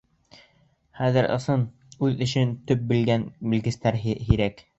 Хәҙер ысын, үҙ эшен төплө белгән белгестәр һирәк.